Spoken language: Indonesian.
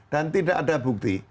dan tidak ada bukti